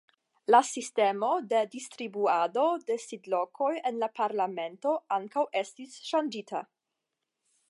La sistemo de distribuado de sidlokoj en la parlamento ankaŭ estis ŝanĝita.